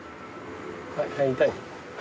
入りたい？